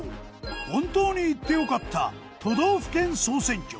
本当に行って良かった都道府県総選挙。